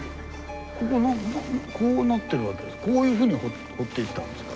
こここうなってるわけですか？